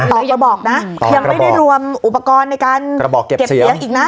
อย่าบอกนะยังไม่ได้รวมอุปกรณ์ในการเก็บเสียงอีกนะ